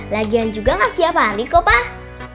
lagian juga gak setiap hari kok pak